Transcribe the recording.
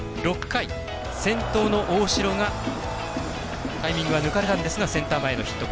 ６回、先頭の大城がタイミングは抜かれたんですがセンター前のヒット。